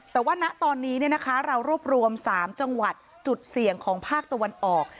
แต่ว่าณตอนนี้เรารวบรวม๓จังหวัดจุดเสี่ยงของภาคตะวันออก